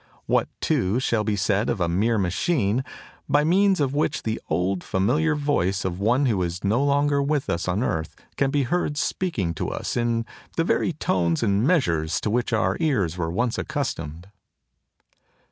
What, too, shall be said of a mere machine, by means of which the old familiar voice of one who is no longer with us on earth can be heard speaking to us in the very tones and measure to which our ears were once accustomed?"